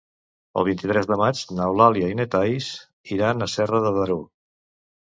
El vint-i-tres de maig n'Eulàlia i na Thaís iran a Serra de Daró.